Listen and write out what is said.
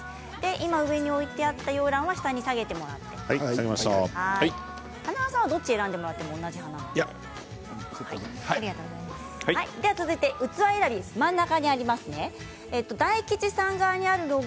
今上に置いてあった洋ランは下に下げてもらって華丸さんはどっちを選んでいただいても一緒ですので。